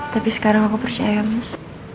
tapi sekarang aku percaya mas